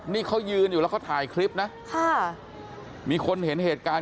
นี่เขายืนอยู่แล้วเขาถ่ายคลิปนะค่ะมีคนเห็นเหตุการณ์